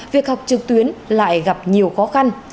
việc học trực tuyến lại gặp nhiều khó khăn